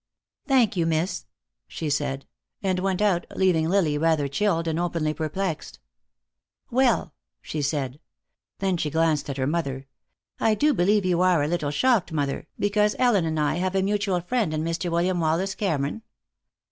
"Thank you, miss," she said. And went out, leaving Lily rather chilled and openly perplexed. "Well!" she said. Then she glanced at her mother. "I do believe you are a little shocked, mother, because Ellen and I have a mutual friend in Mr. William Wallace Cameron!